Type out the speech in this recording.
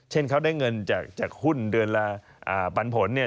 เช่นเขาได้เงินจากหุ้นเดือนละปันผลเนี่ย